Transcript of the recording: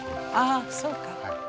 あそうか。